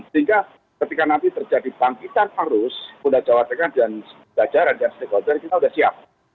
sehingga ketika nanti terjadi bangkitan arus polda jawa tengah dan jajaran dan stakeholder kita sudah siap